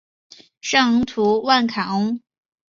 圣昂图万坎翁。